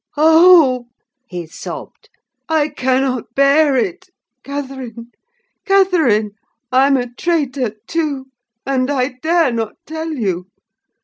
"Oh!" he sobbed, "I cannot bear it! Catherine, Catherine, I'm a traitor, too, and I dare not tell you!